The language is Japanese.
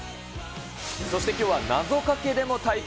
そしてきょうは、謎かけでも対決。